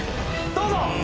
どうぞ！